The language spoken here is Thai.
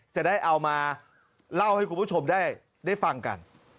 จะได้เอามาเล่าให้คุณผู้ชมได้ฟังกัน